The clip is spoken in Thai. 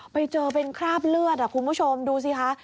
ไปเจอเป็นคราบเลือดคุณผู้ชมดูสิคะ